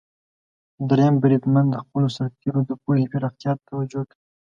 دریم بریدمن د خپلو سرتیرو د پوهې پراختیا ته توجه کوي.